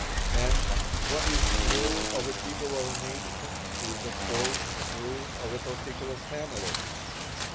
And what is true of a people or nation is of course true of a particular family.